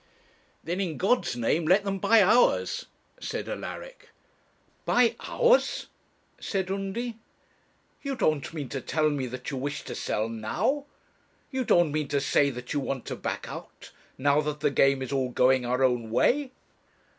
'Then in God's name let them buy ours,' said Alaric. 'Buy ours!' said Undy. 'You don't mean to tell me that you wish to sell now? You don't mean to say that you want to back out, now that the game is all going our own way?'